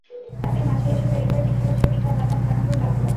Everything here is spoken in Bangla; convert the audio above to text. তাঁদের মাঝে এসে ফেরি করে বিক্রি হচ্ছে পিঠা, বাদাম, চানাচুর, লাল গোলাপ।